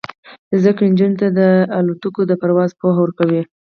زده کړه نجونو ته د الوتکو د پرواز پوهه ورکوي.